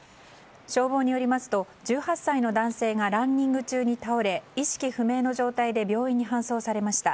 消防によりますと１８歳の男性がランニング中に倒れ意識不明の状態で病院に搬送されました。